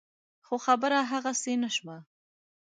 خو خبره هغسې نه شوه.